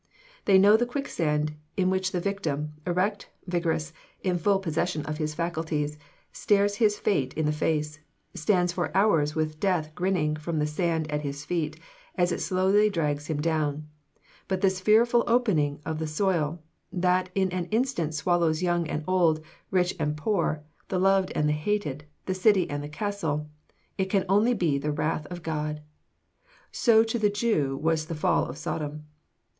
They know the quicksand in which the victim, erect, vigorous, in full possession of his faculties, stares his fate in the face; stands for hours with death grinning from the sand at his feet, as it slowly drags him down; but this fearful opening of the soil, that in an instant swallows young and old, rich and poor, the loved and hated, the city and the castle it can only be the "wrath of God!" So to the Jew was the fall of Sodom.